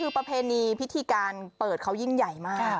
คือประเพณีพิธีการเปิดเขายิ่งใหญ่มาก